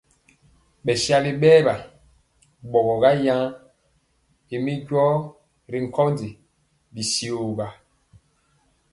Bɛsali bɛɛr wa bogɔ yan ymi jɔɔ ri nkondi mi tyegɔ.